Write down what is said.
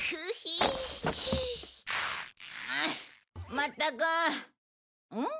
まったくん？